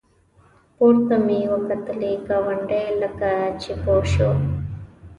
پورته مې وکتلې ګاونډی لکه چې پوه شو.